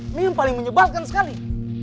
ini yang paling menyebalkan sekali